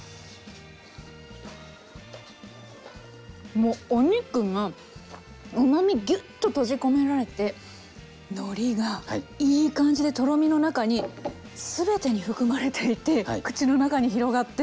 もうお肉がうまみぎゅっと閉じ込められてのりがいい感じでとろみの中に全てに含まれていて口の中に広がって。